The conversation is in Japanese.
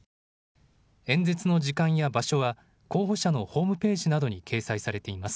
演説の時間や場所は候補者のホームページなどに掲載されています。